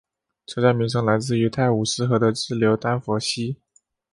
车站名称来自于泰晤士河的支流史丹佛溪。